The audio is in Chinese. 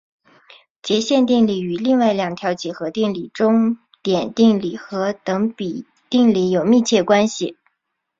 截线定理与另外两条几何定理中点定理和等比定理有密切关系。